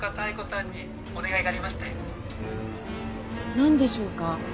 何でしょうか？